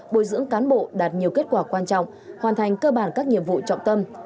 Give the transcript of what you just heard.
bồi dưỡng cán bộ đạt nhiều kết quả quan trọng hoàn thành cơ bản các nhiệm vụ trọng tâm